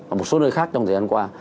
ở một số nơi khác trong thời gian qua